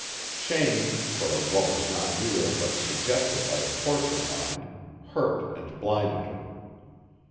Shame, for what was not real but suggested by a coarser mind, hurt and blinded her.